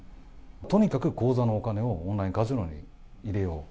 とにかく口座のお金をオンラインカジノに入れよう。